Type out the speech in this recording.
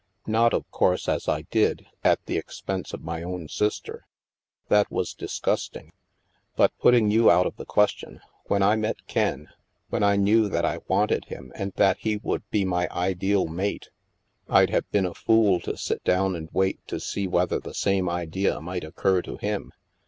Not, of course as I did, at the expense of my own sister. That was disgusting. But putting you out of the question, when I met Ken, when I knew that I wanted him and that he would be my ideal mate, I'd have been a fool to sit down and wait to see whether the same idea might occur to him.